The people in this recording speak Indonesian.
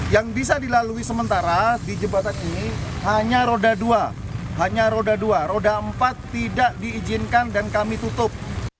yang bisa dilalui sementara di jembatan ini hanya roda dua hanya roda dua roda empat tidak diizinkan dan kami tutup